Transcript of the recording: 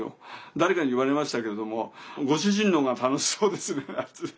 誰かに言われましたけどもご主人のほうが楽しそうですねなんてね。